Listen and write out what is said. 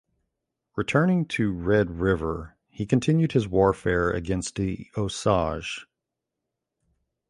Returning to Red River he continued his warfare against the Osage.